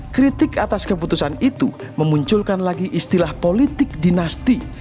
kritik atas keputusan itu memunculkan lagi istilah politik dinasti